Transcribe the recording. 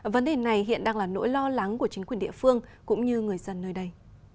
vấn đề này hiện đang là nỗi lo lắng của chính quyền địa phương cũng như người dân nơi đây